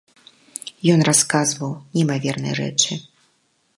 Ён расказваў неймаверныя рэчы.